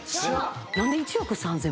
何で１億３，０００万って。